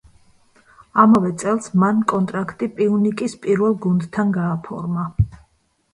ამავე წელს, მან კონტრაქტი „პიუნიკის“ პირველ გუნდთან გააფორმა.